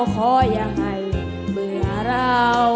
ขออย่าให้เมื่อเรา